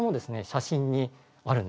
写真にあるんですね。